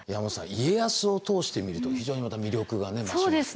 家康を通して見ると非常にまた魅力がね増します。